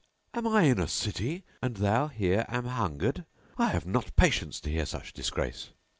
am I in a City, and thou here an hungered? I have not patience to bear such disgrace!"